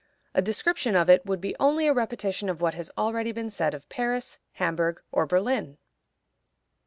A description of it would be only a repetition of what has already been said of Paris, Hamburg, or Berlin.